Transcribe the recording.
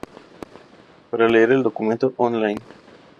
Para leer el documento On Line